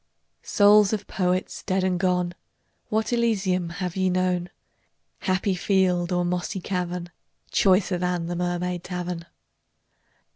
Souls of Poets dead and gone, What Elysium have ye known, Happy field or mossy cavern, Choicer than the Mermaid Tavern?